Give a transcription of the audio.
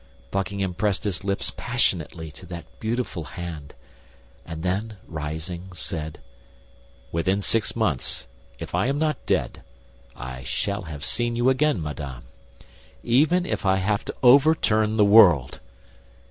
Buckingham pressed his lips passionately to that beautiful hand, and then rising, said, "Within six months, if I am not dead, I shall have seen you again, madame—even if I have to overturn the world."